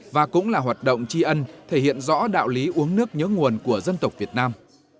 và cũng là hoạt động tri ân thể hiện rõ đạo lý uống nước nhớ nguồn của dân tộc việt nam